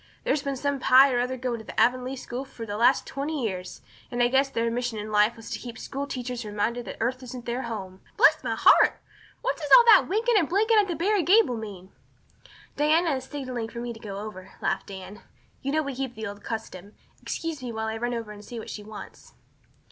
There's been some Pye or other going to Avonlea school for the last twenty years, and I guess their mission in life was to keep school teachers reminded that earth isn't their home. Bless my heart! What does all that winking and blinking at the Barry gable mean?" "Diana is signaling for me to go over," laughed Anne. "You know we keep up the old custom. Excuse me while I run over and see what she wants."